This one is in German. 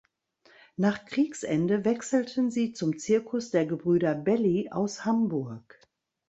Nach Kriegsende wechselten sie zum Zirkus der Gebrüder Belli aus Hamburg.